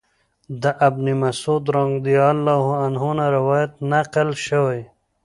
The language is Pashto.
د ابن مسعود رضی الله عنه نه روايت نقل شوی